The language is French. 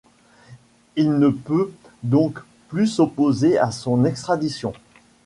Il ne peut donc plus s'opposer à son extradition.